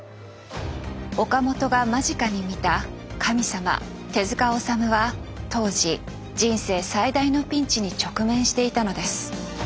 岡本が間近に見た神様手治虫は当時人生最大のピンチに直面していたのです。